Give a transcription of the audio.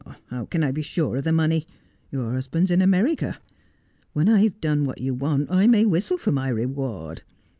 ' How can I be sure of the money ? Your husband's in America. When I've done what you want I may whistle for mv reward.